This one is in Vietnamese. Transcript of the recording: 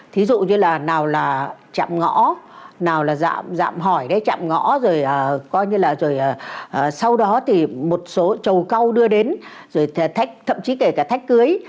thí dụ như là nào là chạm ngõ nào là dạng hỏi cái chạm ngõ rồi coi như là rồi sau đó thì một số trầu cao đưa đến rồi thậm chí kể cả thách cưới